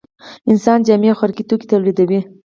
انسان جامې او خوراکي توکي تولیدوي